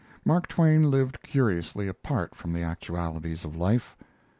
Mark Twain lived curiously apart from the actualities of life.